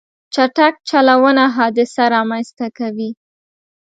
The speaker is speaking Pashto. چټک چلوونه حادثه رامنځته کوي.